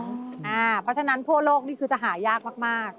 เพราะฉะนั้นทั่วโลกนี่คือจะหายากมาก